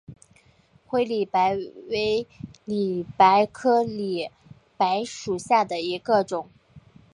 灰里白为里白科里白属下的一个种。